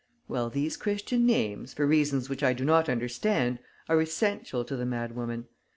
Well, these Christian names, for reasons which I do not understand, are essential to the madwoman.